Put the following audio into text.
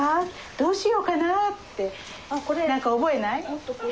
どうしようかな？」って何か覚えない？